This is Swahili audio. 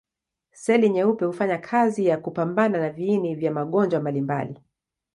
Seli nyeupe hufanya kazi ya kupambana na viini vya magonjwa mbalimbali.